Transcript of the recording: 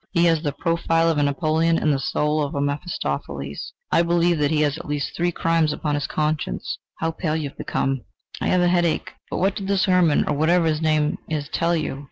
He has the profile of a Napoleon, and the soul of a Mephistopheles. I believe that he has at least three crimes upon his conscience... How pale you have become!" "I have a headache... But what did this Hermann or whatever his name is tell you?"